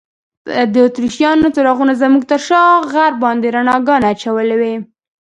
د اتریشیانو څراغونو زموږ تر شا غر باندې رڼاګانې اچولي وې.